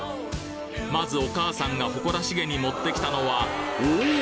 まずお母さんが誇らしげに持ってきたのはおぉ！